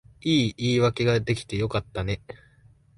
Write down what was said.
いい言い訳が出来てよかったね